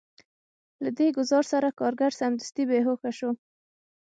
له دې ګزار سره کارګر سمدستي بې هوښه شو